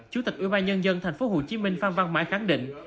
chủ tịch ủy ban nhân dân thành phố hồ chí minh phan văn mãi khẳng định